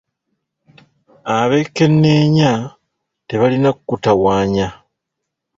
Abekenneenya tebalina kutawaanya.